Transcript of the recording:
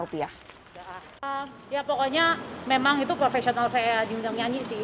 ya pokoknya memang itu profesional saya diundang nyanyi sih